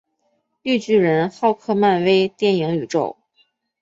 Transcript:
绿巨人浩克漫威电影宇宙